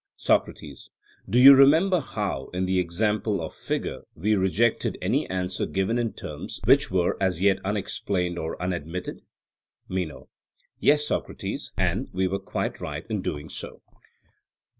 SOCRATES: Do you remember how, in the example of figure, we rejected any answer given in terms which were as yet unexplained or unadmitted? MENO: Yes, Socrates; and we were quite right in doing so.